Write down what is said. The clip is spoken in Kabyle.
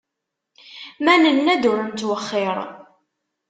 Ma nenna-d, ur nettwexxiṛ.